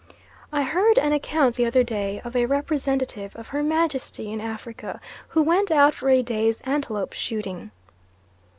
I heard an account the other day of a representative of Her Majesty in Africa who went out for a day's antelope shooting.